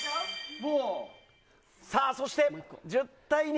そして、１０対２。